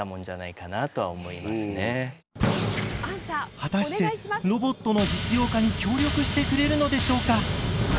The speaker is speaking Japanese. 果たしてロボットの実用化に協力してくれるのでしょうか？